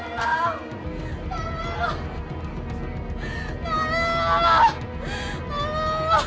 lu pada gagal lu